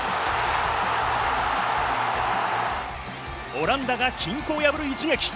オランダが均衡を破る一撃。